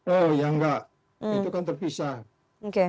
oh ya enggak itu kan terpisah